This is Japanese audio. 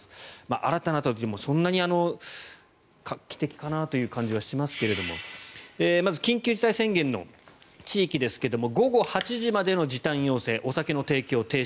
新たなといっても、そんなに画期的かなという感じはしますがまず緊急事態宣言の地域ですが午後８時までの時短要請お酒の提供停止